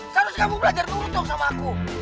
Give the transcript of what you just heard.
harus kamu belajar nurut dong sama aku